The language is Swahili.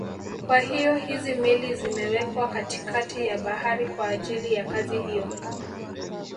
Kwa hiyo hizi meli zimewekwa katikati ya Bahari kwa ajili ya kazi hiyo